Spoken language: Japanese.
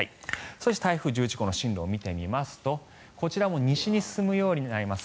そして台風１１号の進路を見てみますとこちらも西に進むようになります。